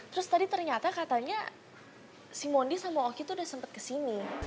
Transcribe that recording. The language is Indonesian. terus tadi ternyata katanya si mondi sama oki tuh udah sempet kesini